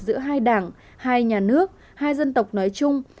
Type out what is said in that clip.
giữa hai đảng hai nhà nước hai dân tộc nói chung